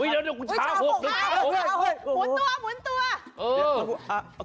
หุ่นตัว